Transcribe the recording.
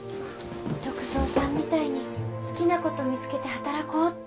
篤蔵さんみたいに好きなこと見つけて働こうって